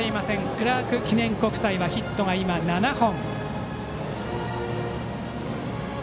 クラーク記念国際はヒットが今、７本。